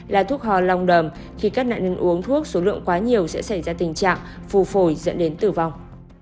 là thuốc hò lòng đầm khi các nạn nhân uống thuốc số lượng quá nhiều sẽ xảy ra tình trạng phù phổi dẫn đến tử vong